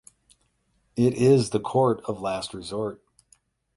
It is the court of last resort.